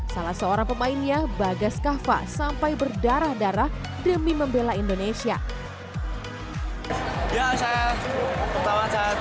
salah seorang pemainnya bagas kahwa sampai berdarah darah demi membela indonesia ya saya